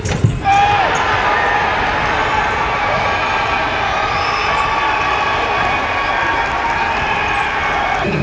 สวัสดีครับทุกคน